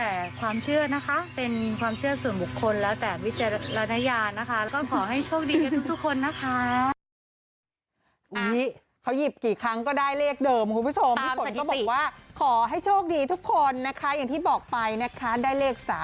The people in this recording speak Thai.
เอาดูไว้นะคะจดได้จดค่ะ